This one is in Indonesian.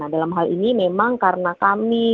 dalam hal ini memang karena kami